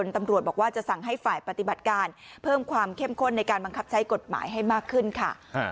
ตำรวจบอกว่าจะสั่งให้ฝ่ายปฏิบัติการเพิ่มความเข้มข้นในการบังคับใช้กฎหมายให้มากขึ้นค่ะ